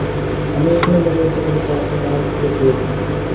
আমি এখানে মরিয়া থাকিলে তাহাতে কাহার কী ক্ষতি হইত।